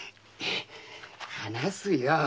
話すよ。